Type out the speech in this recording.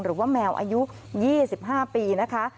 หรือว่าแมวอายุ๒๕ปีนะคะ